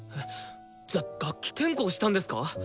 じゃ楽器転向したんですか！？